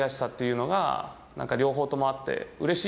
両方ともあって。